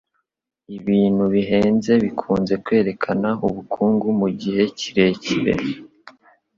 Ibintu bihenze bikunze kwerekana ubukungu mugihe kirekire